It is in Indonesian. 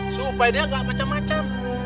supaya dia nggak macam macam